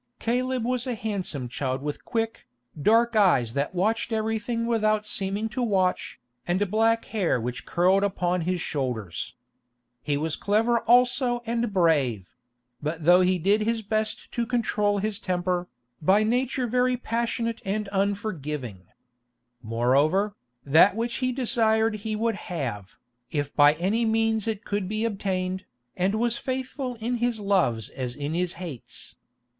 Caleb was a handsome child with quick, dark eyes that watched everything without seeming to watch, and black hair which curled upon his shoulders. He was clever also and brave; but though he did his best to control his temper, by nature very passionate and unforgiving. Moreover, that which he desired he would have, if by any means it could be obtained, and was faithful in his loves as in his hates.